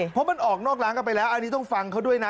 เพราะมันออกนอกร้านกันไปแล้วอันนี้ต้องฟังเขาด้วยนะ